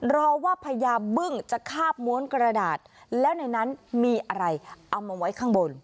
รอว่าพญาบึ้งจะคาบม้วนกระดาษแล้วในนั้นมีอะไรเอามาไว้ข้างบน